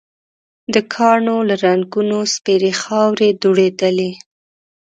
د کاڼو له رنګونو سپېرې خاورې دوړېدلې.